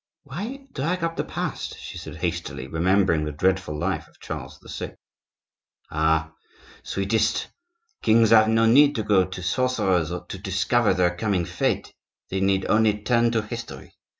"Why drag up the past?" she said hastily, remembering the dreadful life of Charles VI. "Ah! sweetest, kings have no need to go to sorcerers to discover their coming fate; they need only turn to history.